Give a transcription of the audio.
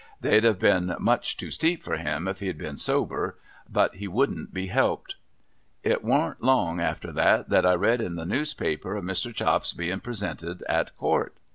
They'd have been much too steep for him, if he had been sober ; but he wouldn't be helped. It warn't long after that, that I read in the newspaper of Mr. C'lops's being presented at court.